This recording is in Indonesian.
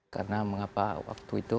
karena mengapa waktu itu